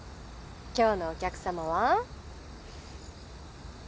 今日のお客様は。